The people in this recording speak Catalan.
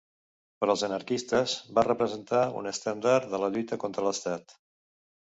Per als anarquistes va representar un estendard de la lluita contra l'Estat.